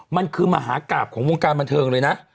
มันคือมหากราบของวงการบันเทิงเลยนะ